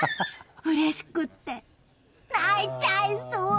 うれしくて泣いちゃいそう。